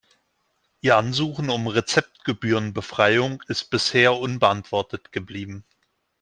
Ihr Ansuchen um Rezeptgebührenbefreiung ist bisher unbeantwortet geblieben.